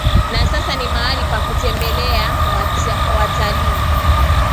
Na sasa ni mahali pa kutembelea watalii